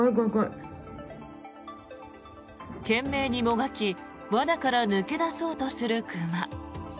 懸命にもがき罠から抜け出そうとする熊。